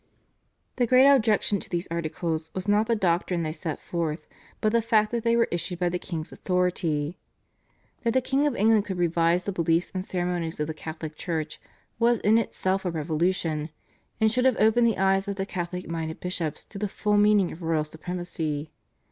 The great objection to these Articles was not the doctrine they set forth, but the fact that they were issued by the king's authority. That the King of England could revise the beliefs and ceremonies of the Catholic Church was in itself a revolution, and should have opened the eyes of the Catholic minded bishops to the full meaning of royal supremacy.